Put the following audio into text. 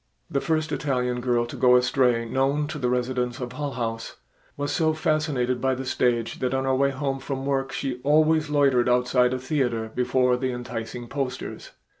The first Italian girl to go astray known to the residents of Hull House, was so fascinated by the stage that on her way home from work she always loitered outside a theater before the enticing posters.